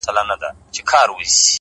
زما شاعري وخوړه زې وخوړم;